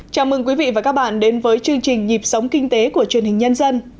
chào mừng quý vị và các bạn đến với chương trình nhịp sống kinh tế của truyền hình nhân dân